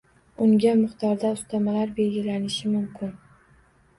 Unga miqdorda ustamalar belgilanishi mumkin